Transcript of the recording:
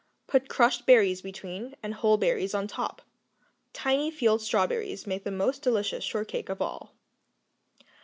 Put crushed berries between, and whole berries on top. Tiny field strawberries make the most delicious shortcake of all.